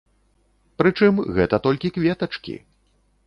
Прычым, гэта толькі кветачкі.